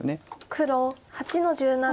黒８の十七。